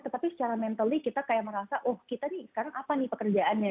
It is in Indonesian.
tetapi secara mentally kita kayak merasa oh kita nih sekarang apa nih pekerjaannya